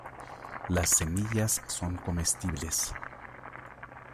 Las semillas son comestibles.